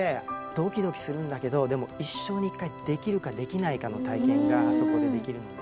ドキドキするんだけどでも一生に一回できるかできないかの体験があそこでできるのね。